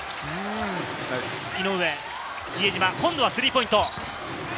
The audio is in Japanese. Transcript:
井上、比江島、今度はスリーポイント。